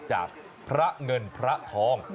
จากพระเงินพระทอง